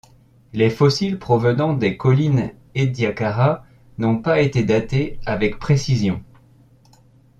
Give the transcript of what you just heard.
Les fossiles provenant des collines Ediacara n'ont pas été datés avec précision.